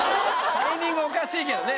タイミングおかしいけどね。